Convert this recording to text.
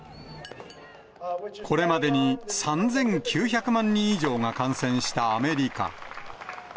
これまでに３９００万人以上が感染したアメリカ。